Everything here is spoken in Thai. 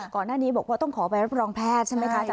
ก่อนหน้านี้บอกว่าต้องขอใบรับรองแพทย์ใช่ไหมคะ